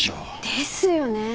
ですよねぇ。